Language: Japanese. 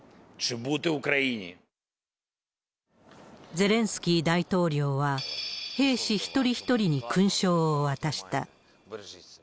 ゼレンスキー大統領は、兵士一人一人に勲章を渡した。